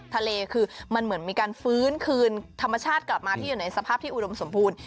ทะเลคือมันเหมือนมีการฟื้นคืนธรรมชาติกลับมาที่อยู่ในสภาพที่อุดมสมบูรณ์